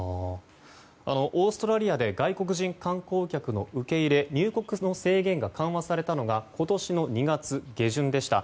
オーストラリアで外国人観光客の受け入れ入国の制限が緩和されたのが今年２月下旬でした。